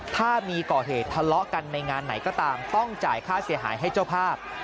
ถ้ามีก่อเหตุทะเลาะกันในงานไหนก็ตามต้องจ่ายค่าเสียหายให้เจ้าภาพ